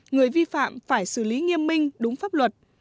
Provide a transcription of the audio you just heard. người vi phạm phải xử lý nghiêm minh đúng pháp luật